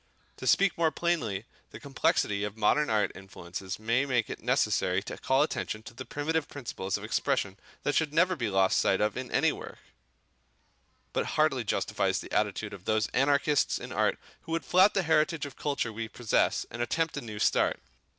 To speak more plainly, the complexity of modern art influences may make it necessary to call attention to the primitive principles of expression that should never be lost sight of in any work, but hardly justifies the attitude of those anarchists in art who would flout the heritage of culture we possess and attempt a new start.